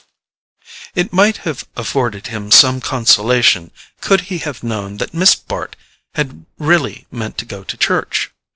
It might have afforded him some consolation could he have known that Miss Bart had really meant to go to church.